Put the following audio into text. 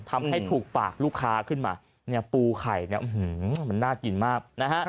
ทำให้ถูกปากลูกค้าขึ้นมาปูไข่น่ากินมาก